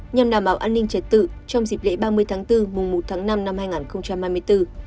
nhằm đảm bảo an ninh trật tự trong dịp lễ ba mươi bốn một năm hai nghìn hai mươi bốn